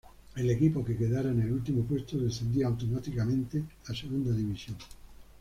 El equipo que quedara en el último puesto descendía automáticamente a Segunda División.